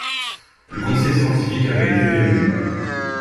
Le conseil scientifique avait été réuni.